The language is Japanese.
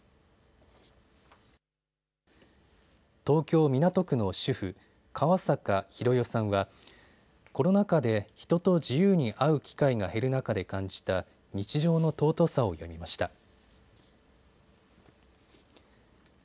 東京港区の主婦、川坂浩代さんはコロナ禍で人と自由に会う機会が減る中で感じた日常の尊さを詠みました。